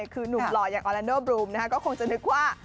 คือหนุ่มหล่ออย่างออแลนเนอร์บลูมก็คงจะนึกว่า